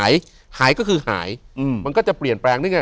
อยู่ที่แม่ศรีวิรัยิลครับ